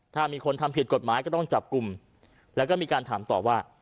ถ้ามีคนทำผิดกฎหมายก็ต้องจับกลุ่มแล้วก็มีการถามต่อว่า